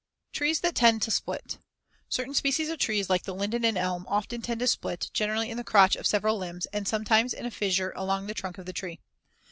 ] Trees that tend to split: Certain species of trees, like the linden and elm, often tend to split, generally in the crotch of several limbs and sometimes in a fissure along the trunk of the tree.